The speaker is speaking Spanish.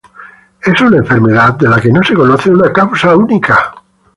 Es una enfermedad de la que no se conoce una causa única.